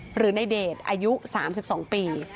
หรือในเดชอายุ๓๒ปี